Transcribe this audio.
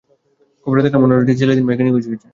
খবরে দেখলাম উনার ছেলে তিন মাস আগে নিখোঁজ হয়েছে।